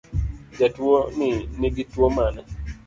Jatuoni nigi Tuo mane?